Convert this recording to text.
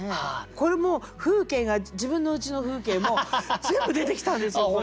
これもう風景が自分のうちの風景も全部出てきたんですよこれ。